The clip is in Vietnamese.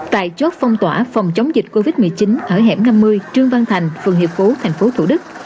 tại chốt phong tỏa phòng chống dịch covid một mươi chín ở hẻm năm mươi trương văn thành phường hiệp phố thành phố thủ đức